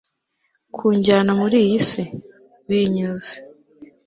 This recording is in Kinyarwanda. kunjyana muri iyi si, binyuze